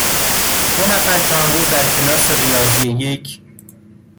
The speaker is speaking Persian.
دو نفر که آن روز در کلاس ریاضی یک،